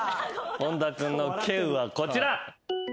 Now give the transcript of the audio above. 本田君の「稀有」はこちら。